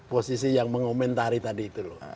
posisi yang mengomentari tadi itu loh